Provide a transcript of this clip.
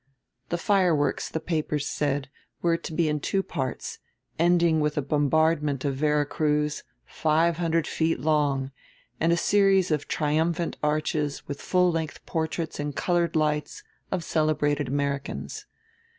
The fireworks, the papers said, were to be in two parts, ending with a bombardment of Vera Cruz, five hundred feet long, and a series of triumphant arches with full length portraits in colored lights of celebrated Americans.